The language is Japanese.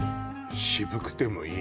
渋くてもいい？